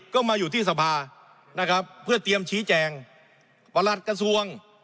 ก็มาอยู่ที่สภานะครับเพื่อเตรียมชี้แจงประหลัดกระทรวง